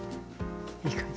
いい感じ。